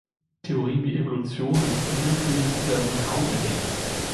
Theorien wie Evolution und Mimikry werden kaum erwähnt.